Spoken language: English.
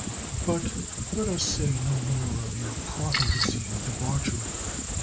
But let us say no more of your profligacy and debauchery.